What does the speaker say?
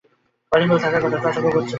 Calling bell থাকার কথা, তাও চোখে পড়ছে না।